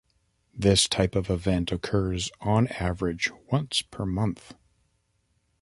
This type of event occurs on average once per month.